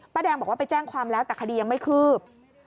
แดงบอกว่าไปแจ้งความแล้วแต่คดียังไม่คืบ